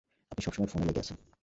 আপনি সবসময় ফোনে লেগে আছেন!